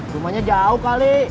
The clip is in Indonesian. rumahnya jauh kali